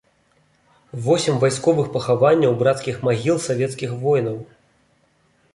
Восем вайсковых пахаванняў брацкіх магіл савецкіх воінаў.